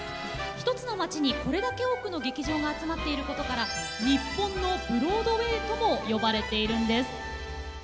一つの街にこれだけ多くの劇場が集まっていることから日本のブロードウェイとも呼ばれているんです。